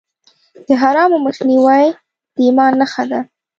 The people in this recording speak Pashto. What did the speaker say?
د حرامو مخنیوی د ایمان نښه ده.